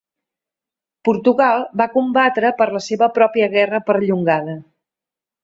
Portugal va combatre per la seva pròpia guerra perllongada.